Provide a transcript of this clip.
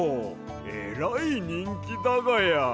えらいにんきだがや！